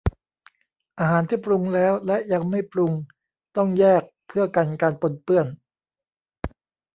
อาหารที่ปรุงแล้วและยังไม่ปรุงต้องแยกเพื่อกันการปนเปื้อน